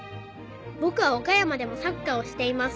「ぼくは岡山でもサッカーをしています」